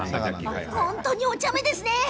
本当におちゃめですね。